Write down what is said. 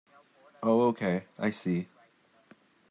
Oh okay, I see.